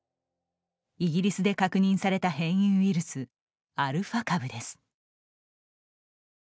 イギリスで確認された変異ウイルス、アルファ株です。